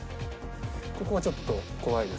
ここはちょっと怖いです。